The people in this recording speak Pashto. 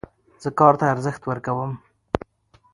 زه کار ته ارزښت ورکوم.